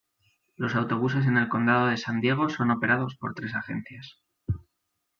Los autobuses en el condado de San Diego son operados por tres agencias.